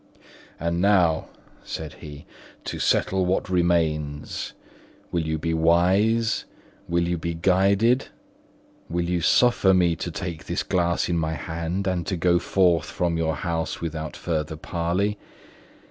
"And now," said he, "to settle what remains. Will you be wise? will you be guided? will you suffer me to take this glass in my hand and to go forth from your house without further parley?